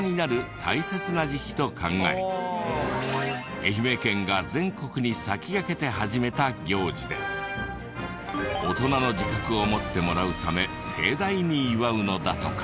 愛媛県が全国に先駆けて始めた行事で大人の自覚を持ってもらうため盛大に祝うのだとか。